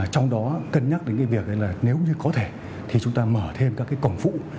trong đó cân nhắc đến việc nếu như có thể thì chúng ta mở thêm các cổng phụ